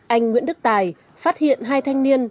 anh nguyễn đức tài phát hiện hai thanh niên